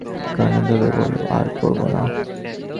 কানে ধরে বলো- আর পড়ব না।